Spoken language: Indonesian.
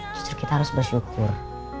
justru kita harus bersyukur